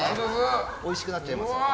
おいしくなっちゃいますから。